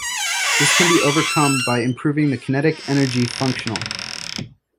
This can be overcome by improving the kinetic energy functional.